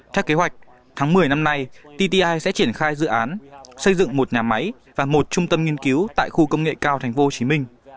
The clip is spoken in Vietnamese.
theo kế hoạch tháng một mươi năm nay tti sẽ triển khai dự án xây dựng một nhà máy và một trung tâm nghiên cứu tại khu công nghệ cao tp hcm